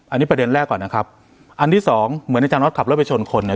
อันนี้ประเด็นแรกก่อนนะครับอันที่สองเหมือนอาจาร็อตขับรถไปชนคนเนี่ย